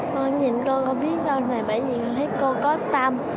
con nhìn cô có viết câu này bởi vì con thấy cô có tâm